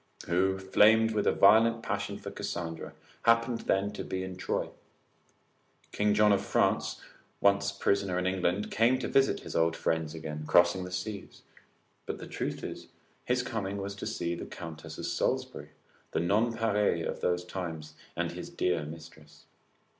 who inflamed with a violent passion for Cassandra, happened then to be in Troy. King John of France, once prisoner in England, came to visit his old friends again, crossing the seas; but the truth is, his coming was to see the Countess of Salisbury, the nonpareil of those times, and his dear mistress.